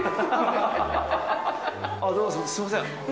あっすいません。